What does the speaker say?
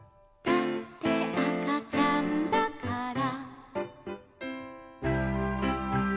「だってあかちゃんだから」